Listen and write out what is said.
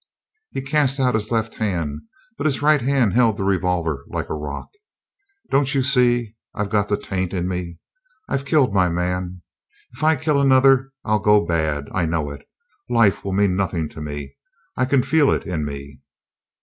He cast out his left hand, but his right hand held the revolver like a rock. "Don't you see? I've got the taint in me. I've killed my man. If I kill another I'll go bad. I know it. Life will mean nothing to me. I can feel it in me."